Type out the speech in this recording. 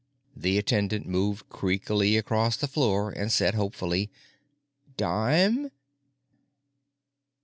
The attendant moved creakily across the floor and said hopefully, "Dime?"